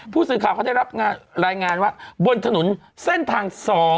ผู้สื่อข่าวเขาได้รับรายงานว่าบนถนนเส้นทาง๒